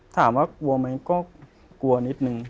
ถามว่ากลัวไหมก็กลัวนิดนึง